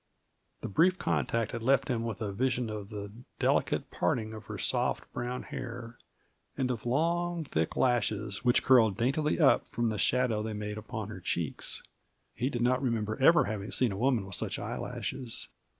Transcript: The brief contact had left with him a vision of the delicate parting in her soft, brown hair, and of long, thick lashes which curled daintily up from the shadow they made on her cheeks. He did not remember ever having seen a woman with such eyelashes.